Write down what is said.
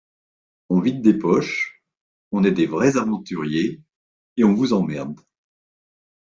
on vide des poches, on est des vrais aventuriers et on vous emmerde.